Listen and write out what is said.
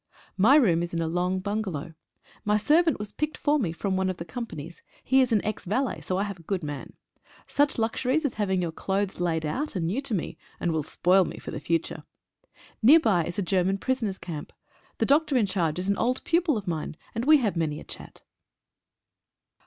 My room is in a long bungalow. My servant was picked for me from one of the companies — he is an ex valet, so I have a good man. Such luxuries as having your clothes laid out are new to me, and will spoil me for the future. Near by is a German prisoner's camp. The doctor in charge is an old pupil of mine, and we have many a chat."